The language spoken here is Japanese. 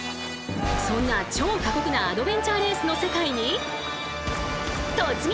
そんな超過酷なアドベンチャーレースの世界に突撃！